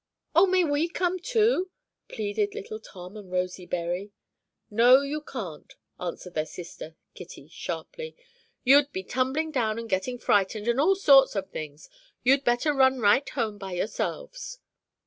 "Oh, may we come too?" pleaded little Tom and Rosy Bury. "No, you can't," answered their sister, Kitty, sharply. "You'd be tumbling down and getting frightened, and all sorts of things. You'd better run right home by yourselves."